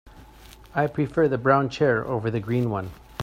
I prefer the brown chair over the green one.